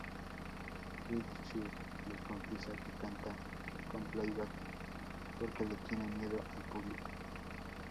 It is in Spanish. Ritchie les confiesa que canta con playback, porque le tiene miedo al público.